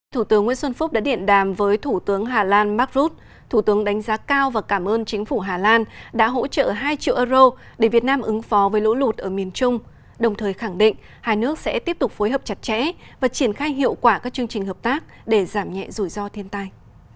thủ tướng nguyễn xuân phúc đã điện đàm với thủ tướng hà lan mark rutte thủ tướng đánh giá cao và cảm ơn chính phủ hà lan đã hỗ trợ hai triệu euro để việt nam ứng phó với lũ lụt ở miền trung đồng thời khẳng định hai nước sẽ tiếp tục phối hợp chặt chẽ và triển khai hiệu quả các chương trình hợp tác để giảm nhẹ rủi ro thiên tai